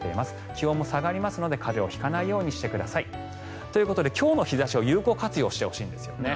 気温も下がりますので風邪を引かないようにしてください。ということで今日の日差しを有効活用してほしいんです。